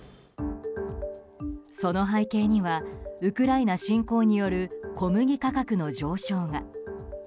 その背景にはウクライナ侵攻による小麦価格の上昇が。